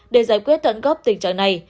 để giải quyết tận góp tình trạng này